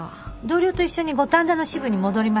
同僚と一緒に五反田の支部に戻りました。